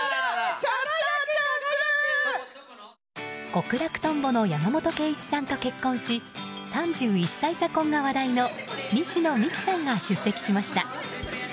極楽とんぼの山本圭壱さんと結婚し３１歳差婚が話題の西野未姫さんが出席しました。